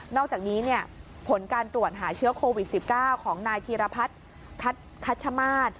นอกจากนี้เนี้ยผลการตรวจหาเชื้อโควิดสิบเก้าของนายธีรพัทรทัชมาส